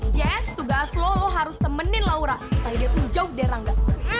jess tugas lo harus temenin laura paling dia pun jauh dari rangga